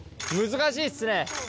難しいっすね。